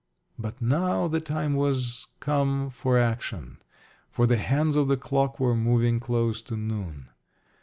But now the time was come for action, for the hands of the clock were moving close to noon.